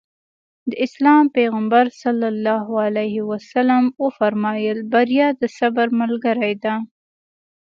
د اسلام پيغمبر ص وفرمايل بريا د صبر ملګرې ده.